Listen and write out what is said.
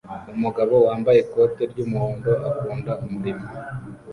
Umugabo wambaye ikote ry'umuhondo akunda umuriro